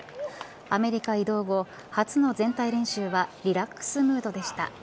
アメリカ移動後初の全体練習はリラックスムードでした。